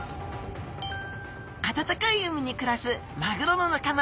暖かい海に暮らすマグロの仲間